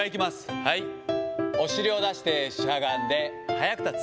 はい、お尻を出してしゃがんで、速く立つ。